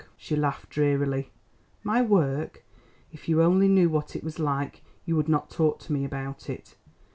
She laughed drearily. "My work! If you only knew what it is like you would not talk to me about it.